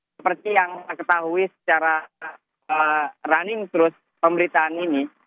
seperti yang kita ketahui secara running terus pemberitaan ini